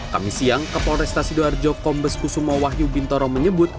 kami siang kepol restasi doar jokom beskusumo wahyu bintoro menyebut